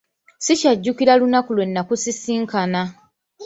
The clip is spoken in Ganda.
Sikyajjukira lunaku lwe nakusisinkana.